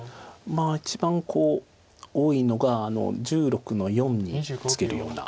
まあ一番多いのが１６の四にツケるような。